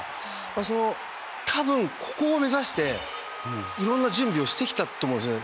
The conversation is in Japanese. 多分ここを目指して色んな準備をしてきたと思うんですね